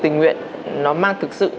tình nguyện nó mang thực sự